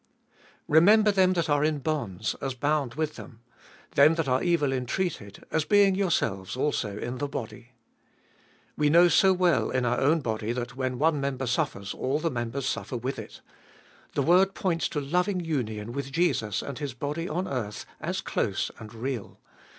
Remember them that are in bonds, as bound with them ; them that are evil entreated, as being yourselves also in the body. We know so well in our own body that when one member suffers all the members suffer with it. The word points to loving union with Jesus and His body on earth as close and real.